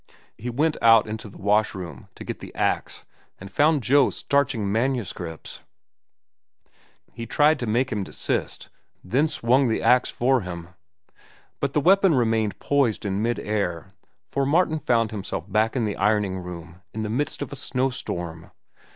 He went out into the wash room to get the axe, and found Joe starching manuscripts. He tried to make him desist, then swung the axe for him. But the weapon remained poised in mid air, for Martin found himself back in the ironing room in the midst of a snow storm.